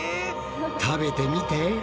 食べてみて。